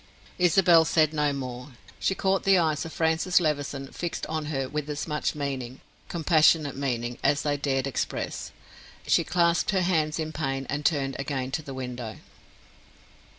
Isabel said no more; she caught the eyes of Francis Levison fixed on her with as much meaning, compassionate meaning, as they dared express. She clasped her hands in pain, and turned again to the window.